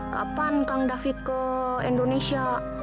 kapan kang david ke indonesia